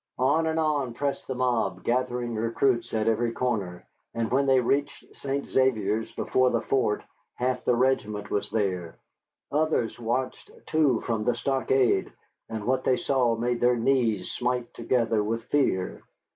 On and on pressed the mob, gathering recruits at every corner, and when they reached St. Xavier's before the fort half the regiment was there. Others watched, too, from the stockade, and what they saw made their knees smite together with fear.